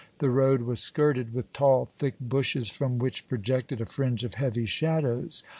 The road was skirted with tall thick bushes from which projected a fringe of heavy shadows.